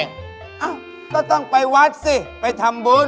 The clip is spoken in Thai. เอ้าก็ต้องไปวัดสิไปทำบุญ